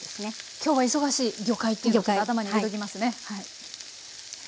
今日は忙しい魚介っていうのを頭に入れときますね。